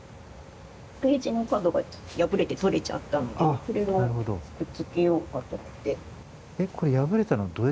ページの角が破れて取れちゃったのでこれをくっつけようかと思って。